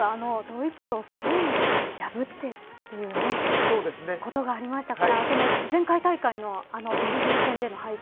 今回、強豪であるあのドイツとスペインを破ってということがありましたから前回大会のベルギー戦での敗退。